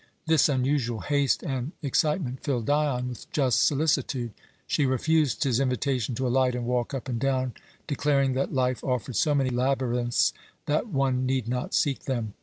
This unusual haste and excitement filled Dion with just solicitude. She refused his invitation to alight and walk up and down, declaring that life offered so many labyrinths that one need not seek them.